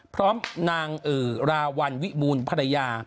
พร้อมนางอื่อราวันวิมูลภรรยา